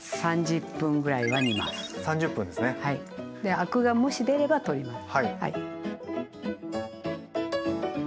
アクがもし出れば取ります。